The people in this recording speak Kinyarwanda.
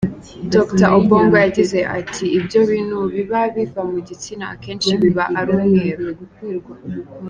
Dr Obong yagize ati “Ibyo bintu biba biva mu gitsina akenshi biba ari umweru.